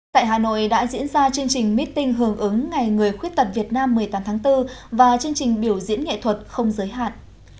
tại hà nội đã diễn ra chương trình meeting hưởng ứng ngày người khuyết tật việt nam một mươi tám tháng bốn và chương trình biểu diễn nghệ thuật không giới hạn